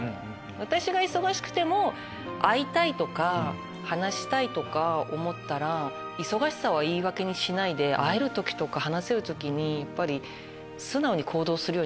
私が忙しくても会いたいとか話したいとか思ったら忙しさは言い訳にしないで会える時とか話せる時に。